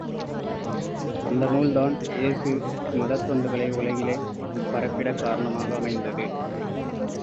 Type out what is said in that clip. அந்த நூல் தான் இயேசு மதத் தொண்டுகளை உலகிலே பரப்பிடக் காரணமாக அமைந்தது.